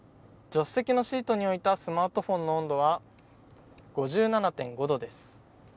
助手席のシートに置いたスマートフォンの温度は５７．５度です。